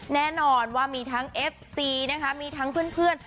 แน่นอนว่ามีทั้งเอฟซีนะคะมีทั้งเพื่อน